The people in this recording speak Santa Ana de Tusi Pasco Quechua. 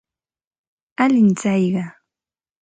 Alin tsayqa.